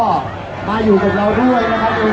ขอบคุณมากนะคะแล้วก็แถวนี้ยังมีชาติของ